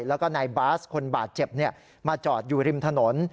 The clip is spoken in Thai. แล้วก็นายบาสคนบาดเจ็บมาจอดอยู่ริมถนน